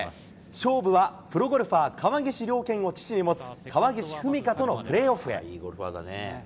勝負は、プロゴルファー、川岸良兼を父に持つ、川岸文果とのプレーオフへ。